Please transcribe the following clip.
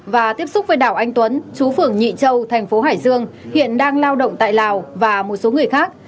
và tiếp xúc với đảo anh tuấn chú phường nhị châu thành phố hải dương hiện đang lao động tại lào và một số người khác